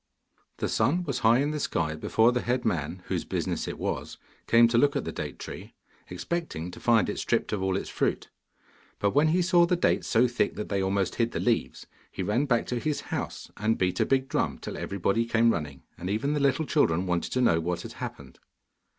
The sun was high in the sky before the head man, whose business it was, came to look at the date tree, expecting to find it stripped of all its fruit, but when he saw the dates so thick that they almost hid the leaves he ran back to his house, and beat a big drum till everybody came running, and even the little children wanted to know what had happened.